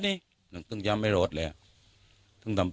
ดีครับ